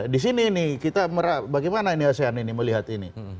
di sini nih kita bagaimana ini asean ini melihat ini